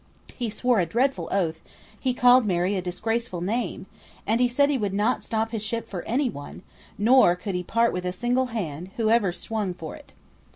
He swore a dreadful oath; he called Mary a disgraceful name; and he said he would not stop his ship for any one, nor could he part with a single hand, whoever swung for it.